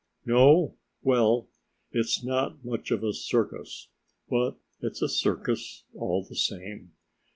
No? Well, it's not much of a circus, but it's a circus all the same.